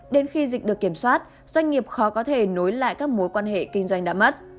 đến khi dịch được kiểm soát doanh nghiệp khó có thể nối lại các mối quan hệ kinh doanh đã mất